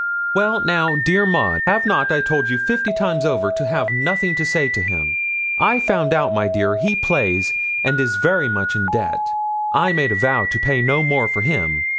'Well now, dear Maud, have not I told you fifty times over to have nothing to say to him? I've found out, my dear, he plays, and he is very much in debt. I've made a vow to pay no more for him.